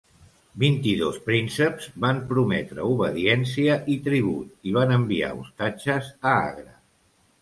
Vint-i-dos prínceps van prometre obediència i tribut i van enviar ostatges a Agra.